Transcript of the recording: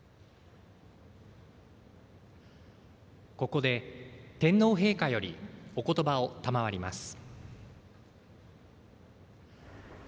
ここで天皇陛下よりお言葉を賜ります。